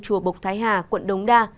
chùa bộc thái hà quận đống đa